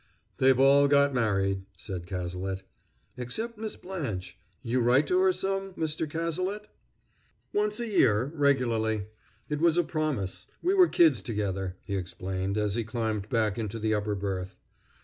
"They've all got married," said Cazalet. "Except Miss Blanche. You write to her some, Mr. Cazalet?" "Once a year regularly. It was a promise. We were kids together," he explained, as he climbed back into the upper berth.